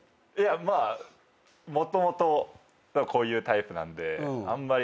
まあもともとこういうタイプなんで。